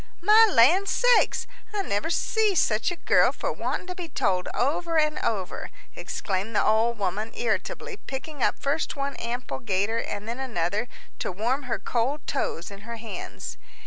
"My land sakes! I never see such a girl for wanting to be told over and over," exclaimed the old woman, irritably, picking up first one ample gaiter and then another to warm her cold toes in her hands.